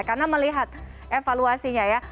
karena melihat evaluasinya ya